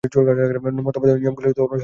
মতবাদ ও নিয়মগুলি অনুশীলনের জন্যই আবশ্যক।